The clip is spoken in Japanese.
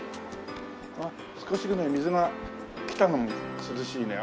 あっ少しぐらい水が来た方が涼しいね。